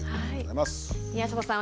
宮里さん